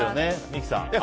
三木さん。